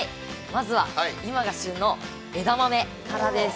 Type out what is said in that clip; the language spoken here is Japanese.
まずは今が旬の枝豆からです。